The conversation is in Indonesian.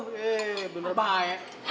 eh bener bener bahaya